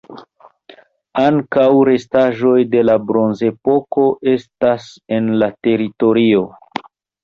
Ankaŭ restaĵoj de la Bronzepoko estas en la teritorio.